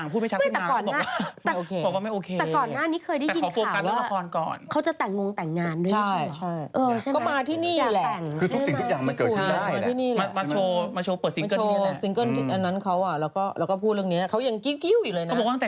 อยู่ในกระทะก็ติดอ่างพูดไม่ชัดขึ้นมา